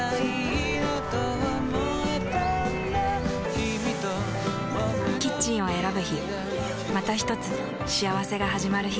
キミとボクの未来だキッチンを選ぶ日またひとつ幸せがはじまる日